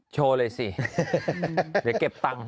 โชว์เลยสิเดี๋ยวเก็บตังค์